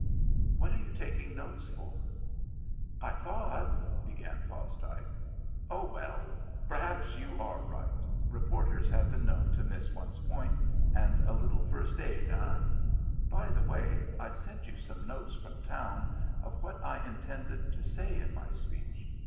What are you taking notes for?" "I thought " began Fosdike. "Oh, well, perhaps you are right. Reporters have been known to miss one's point, and a little first aid, eh? By the way, I sent you some notes from town of what I intended to say in my speech.